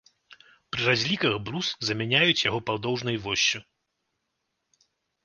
Пры разліках брус замяняюць яго падоўжнай воссю.